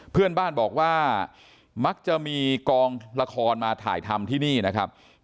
เพื่อนบ้านบอกว่ามักจะมีกองละครมาถ่ายทำที่นี่นะครับ